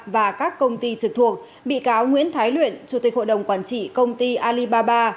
và các công ty trực thuộc bị cáo nguyễn thái luyện chủ tịch hội đồng quản trị công ty alibaba